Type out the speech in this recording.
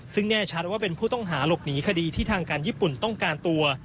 ซึ่งแน่ชัดว่าเป็นผู้ต้องหาหลบหนีคดีที่ทางการญี่ปุ่นต้องการตัว